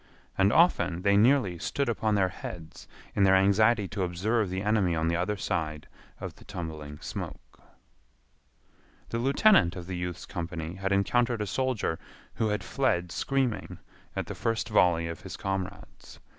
And often they nearly stood upon their heads in their anxiety to observe the enemy on the other side of the tumbling smoke. The lieutenant of the youth's company had encountered a soldier who had fled screaming at the first volley of his comrades.